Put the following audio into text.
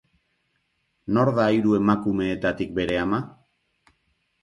Nor da hiru emakumeetatik bere ama?